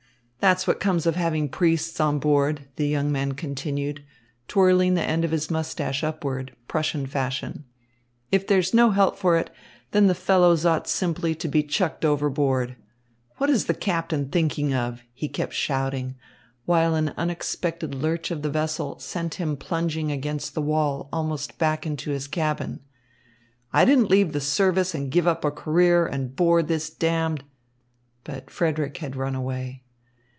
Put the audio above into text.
"That's what comes of having priests on board," the young man continued, twirling the end of his moustache upward, Prussian fashion. "If there's no help for it, then the fellows ought simply to be chucked overboard. What is the captain thinking of?" he kept shouting, while an unexpected lurch of the vessel sent him plunging against the wall almost back into his cabin. "I didn't leave the service and give up a career and board this damned " But Frederick had run away.